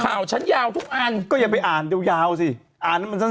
ข่าวฉันยาวทุกอันก็อย่าไปอ่านยาวสิอ่านมันสั้น